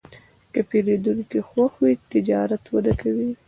که پیرودونکی خوښ وي، تجارت وده کوي.